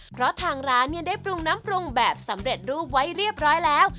เพราะทางร้านได้ปรุงน้ำปรุงแบบสำเร็จรูปไว้เรียบร้อยแล้ว